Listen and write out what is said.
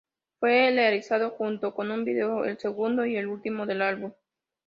Fue realizado junto con un vídeo, el segundo y último del álbum.